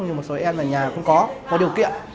nhưng một số em về nhà cũng có có điều kiện